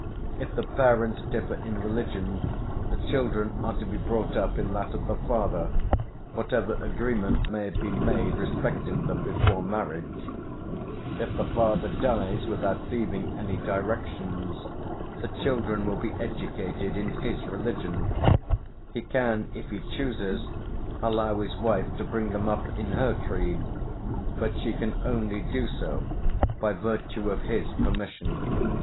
If the parents differ in religion, the children are to be brought up in that of the father, whatever agreement may have been made respecting them before marriage; if the father dies without leaving any directions, the children will be educated in his religion; he can, if he chooses, allow his wife to bring them up in her creed, but she can only do so by virtue of his permission.